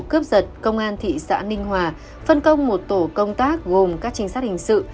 cướp giật công an thị xã ninh hòa phân công một tổ công tác gồm các trinh sát hình sự